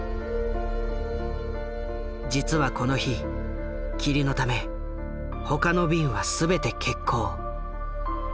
実はこの日霧のため他の便は全て欠航。